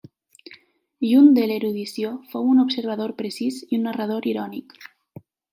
Lluny de l'erudició, fou un observador precís i un narrador irònic.